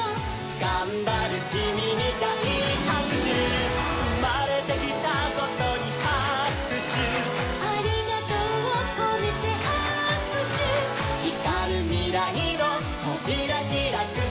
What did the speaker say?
「がんばるキミにだいはくしゅ」「うまれてきたことにはくしゅ」「『ありがとう』をこめてはくしゅ」「ひかるみらいのとびらひらくそのてで」